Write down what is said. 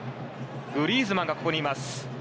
グリーズマンがここにいます。